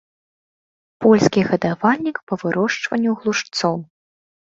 Польскі гадавальнік па вырошчванню глушцоў.